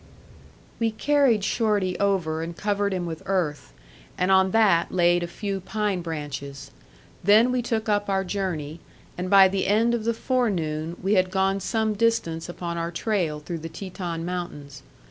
We carried Shorty over and covered him with earth, and on that laid a few pine branches; then we took up our journey, and by the end of the forenoon we had gone some distance upon our trail through the Teton Mountains.